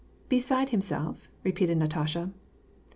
"Beside himself ?" repeated Natasha.